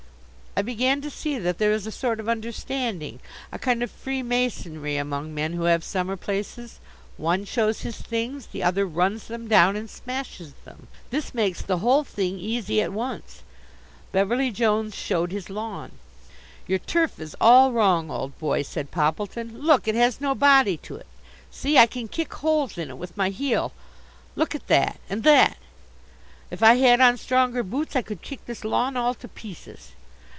I began to see that there is a sort of understanding, a kind of freemasonry, among men who have summer places. One shows his things; the other runs them down, and smashes them. This makes the whole thing easy at once. Beverly Jones showed his lawn. "Your turf is all wrong, old boy," said Poppleton. "Look! it has no body to it. See, I can kick holes in it with my heel. Look at that, and that! If I had on stronger boots I could kick this lawn all to pieces."